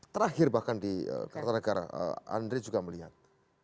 terakhir bahkan di kata negara andre juga melihat